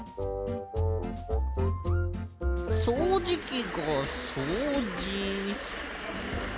そうじきがそうじ。